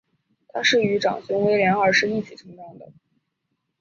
她是与长兄威廉二世一起成长的。